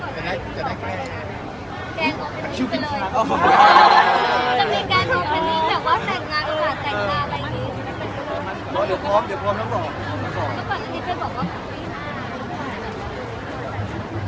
แกล้งออกแบบนี้ไปเลย